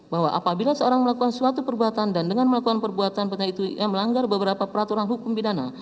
bahwa apabila seorang melakukan suatu perbuatan dan dengan melakukan perbuatan itu melanggar beberapa peraturan hukum pidana